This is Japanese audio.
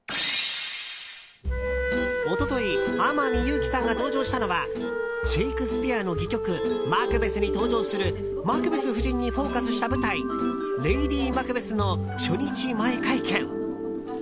一昨日、天海祐希さんが登場したのはシェイクスピアの戯曲「マクベス」に登場するマクベス夫人にフォーカスした舞台「レイディマクベス」の初日前会見。